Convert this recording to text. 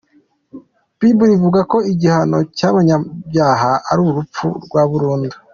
Bible ivuga ko igihano cy’abanyabyaha ari urupfu rwa burundu.